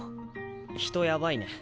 人やばいね。